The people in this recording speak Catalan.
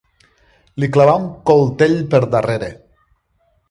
Li clavà un coltell per darrere.